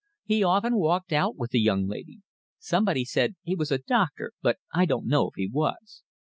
He often walked out with the young lady. Somebody said he was a doctor, but I don't know if he was."